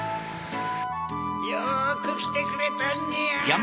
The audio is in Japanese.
よくきてくれたにゃ。